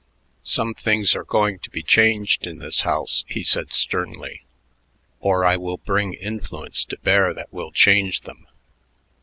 "Some things are going to be changed in this house," he said sternly, "or I will bring influence to bear that will change them."